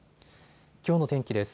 きょうの天気です。